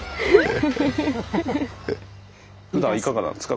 ふだんいかがなんですか？